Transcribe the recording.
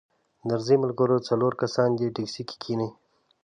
درځئ ملګرو څلور کسان دې ټیکسي کې کښینئ.